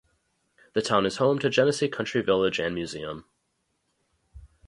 The town is home to Genesee Country Village and Museum.